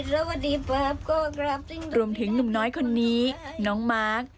รวมถึงหนุ่มน้อยคนนี้น้องมาร์ค